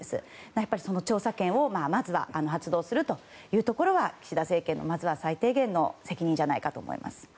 やっぱり、その調査権をまずは発動するというところは岸田政権の、まずは、最低限の責任ではと思います。